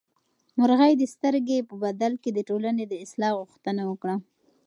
مرغۍ د سترګې په بدل کې د ټولنې د اصلاح غوښتنه وکړه.